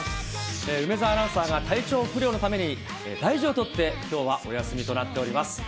梅澤アナウンサーが体調不良のために、大事をとってきょうはお休みとなっております。